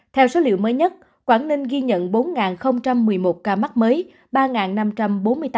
theo số liệu mới nhất quảng ninh ghi nhận bốn một mươi một ca mắc mới